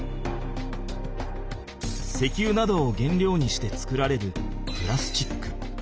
石油などを原料にして作られるプラスチック。